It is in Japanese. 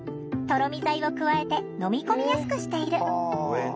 とろみ剤を加えて飲み込みやすくしている。